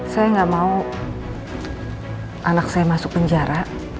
saya nggak mau anak saya masuk penjara